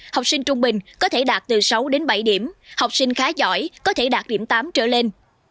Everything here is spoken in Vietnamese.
học sinh trung bình có thể đạt từ sáu đến bảy điểm học sinh khá giỏi có thể đạt điểm tám trở lên